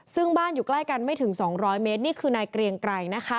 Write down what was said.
ซึ่งบ้านอยู่ใกล้กันไม่ถึง๒๐๐เมตรนี่คือนายเกรียงไกรนะคะ